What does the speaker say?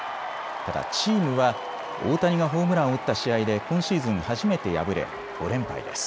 ただチームは大谷がホームランを打った試合で今シーズン初めて敗れ、５連敗です。